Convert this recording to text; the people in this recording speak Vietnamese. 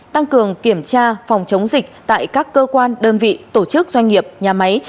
tăng cường kiểm tra phòng chống dịch tại các cơ quan đơn vị tổ chức doanh nghiệp nhà máy